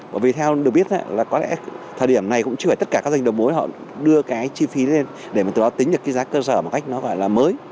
bởi vì theo được biết là có lẽ thời điểm này cũng chưa tất cả các doanh nghiệp đầu mối họ đưa cái chi phí lên để mà từ đó tính được cái giá cơ sở một cách nó gọi là mới